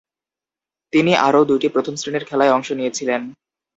তিনি আরও দুইটি প্রথম-শ্রেণীর খেলায় অংশ নিয়েছিলেন।